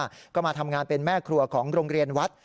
แล้วก็มาทำงานเป็นแม่ครัวของโรงเรียนวัด